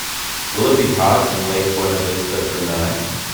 Will it be hot in Lake Buena Vista Brunei?